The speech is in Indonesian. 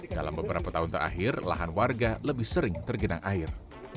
dalam beberapa tahun terakhir lahan warga lebih sering tergenang air